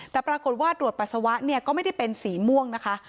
แต่ปรากฏว่าตรวจปัสสาวะเนี่ยก็ไม่ได้เป็นสีม่วงนะคะ